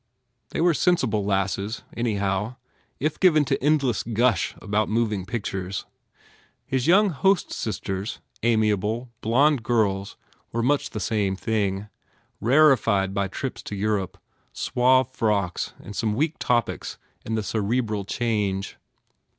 They were sensible lasses, anyhow, if given to endless gush about moving pictures. His young host s sisters, amiable, blond girls were much the same thing ,rarified by trips to Europe, suave frocks and some weak topics in the cerebral change.